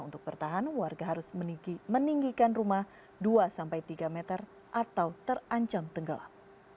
untuk bertahan warga harus meninggikan rumah dua sampai tiga meter atau terancam tenggelam